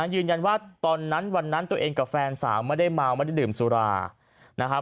ยืนยันว่าตอนนั้นวันนั้นตัวเองกับแฟนสาวไม่ได้เมาไม่ได้ดื่มสุรานะครับ